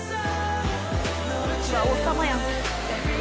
うわあ王様やん。